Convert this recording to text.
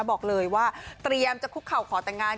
บอกเลยว่าเตรียมจะคุกเข่าขอแต่งงาน